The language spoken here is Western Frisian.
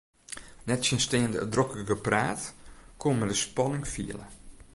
Nettsjinsteande it drokke gepraat koe men de spanning fiele.